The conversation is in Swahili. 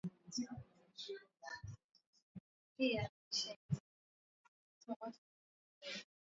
Dalili ya ugonjwa wa ndama kuhara ni mnyama kutembea kwa kupepesuka